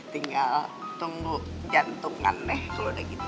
tinggal tunggu jantungan deh kalau udah gitu